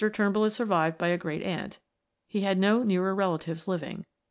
Turnbull is survived by a great aunt; he had no nearer relatives living.